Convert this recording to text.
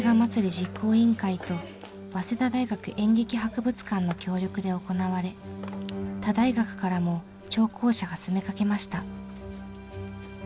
実行委員会と早稲田大学演劇博物館の協力で行われ他大学からも聴講者が詰めかけました。